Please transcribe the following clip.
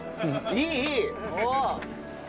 いいいい！」